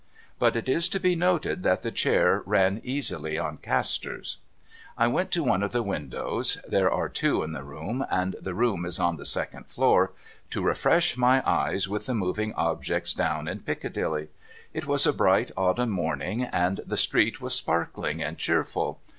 (But it is to be noted that the chair ran easily on castors.) I went to one of the windows (there are two in the room, and the room is on the second floor) to refresh my eyes with the moving objects down in Piccadilly. It was a bright autumn morning, and the street was sparkling and cheerful.